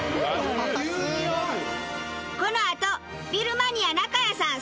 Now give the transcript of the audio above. このあとビルマニア中谷さん